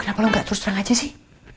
kenapa nggak terus aja sih